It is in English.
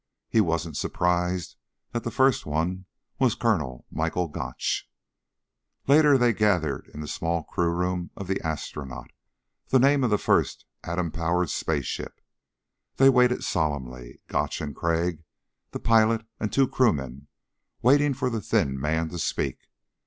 He wasn't surprised that the first one was Colonel Michael Gotch. Later they gathered in the small crew room of the Astronaut, the name of the first atom powered spaceship. They waited solemnly Gotch and Crag, the pilot, and two crewmen waiting for the thin man to speak.